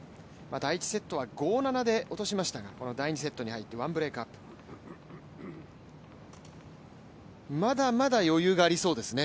第１セットは５−７で落としました、第２セットに入ってワンブレークアップ、まだまだ余裕がありそうですね